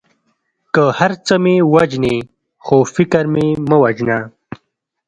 که هر څه مې وژنې خو فکر مې مه وژنه.